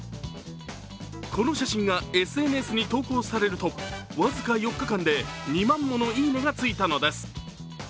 この写真がＳＮＳに投稿されるとわずか４日間で２万ものいいねがついたのです。